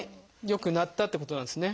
よくなったってことなんですね。